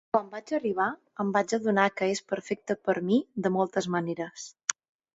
Quan vaig arribar, em vaig adonar que és perfecta per a mi de moltes maneres.